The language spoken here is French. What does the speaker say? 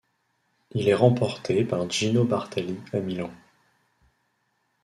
Il est remporté par Gino Bartali, à Milan.